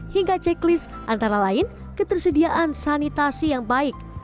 hingga checklist antara lain ketersediaan sanitasi yang baik